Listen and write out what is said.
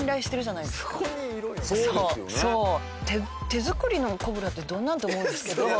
手作りのコブラってどんなん？って思うんですけど。